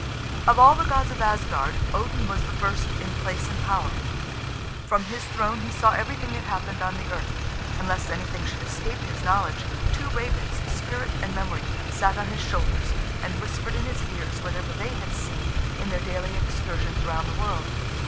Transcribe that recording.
Of all the gods of Asgard, Odin was the first in place and power; from his throne he saw everything that happened on the earth; and lest anything should escape his knowledge, two ravens, Spirit and Memory, sat on his shoulders, and whispered in his ears whatever they had seen in their daily excursions round the world.